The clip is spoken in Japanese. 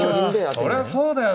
そりゃそうだよ